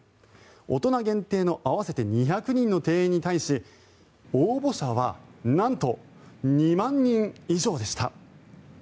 大人限定の合わせて２００人の定員に対し応募者はなんと２万人以上でした。